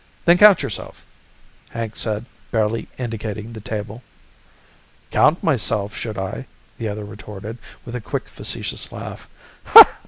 "Then count yourself," Hank said, barely indicating the table. "Count myself, should I?" the other retorted with a quick facetious laugh.